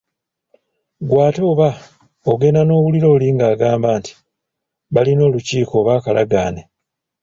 Ggwe ate oba ogenda n’owulira oli ng’agamba nti balina olukiiko oba akalagaane